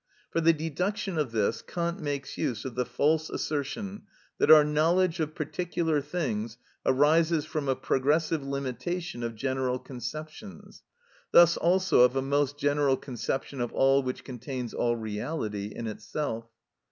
For the deduction of this Kant makes use of the false assertion that our knowledge of particular things arises from a progressive limitation of general conceptions; thus also of a most general conception of all which contains all reality in itself.